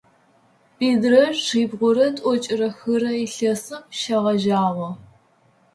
Минрэ шъибгъурэ тӏокӏрэ хырэ илъэсым шегъэжьагъэу.